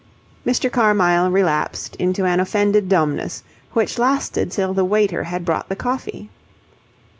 Mr. Carmyle relapsed into an offended dumbness, which lasted till the waiter had brought the coffee.